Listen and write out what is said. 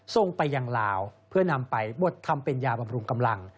ส่งไปยังลาวเพื่อนำไปบดทำเป็นยาบำรุงกำลัง